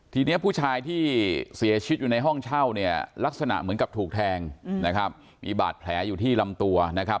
ทีนี้ผู้ชายที่เสียชีวิตอยู่ในห้องเช่าเนี่ยลักษณะเหมือนกับถูกแทงนะครับมีบาดแผลอยู่ที่ลำตัวนะครับ